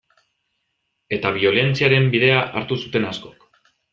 Eta biolentziaren bidea hartu zuten askok.